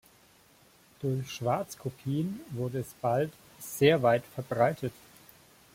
Durch Schwarzkopien wurde es bald sehr weit verbreitet.